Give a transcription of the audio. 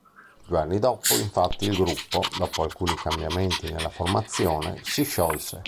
Due anni dopo infatti il gruppo, dopo alcuni cambiamenti nella formazione, si sciolse.